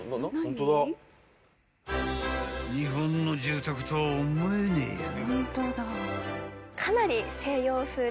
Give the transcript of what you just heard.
［日本の住宅とは思えねえやな］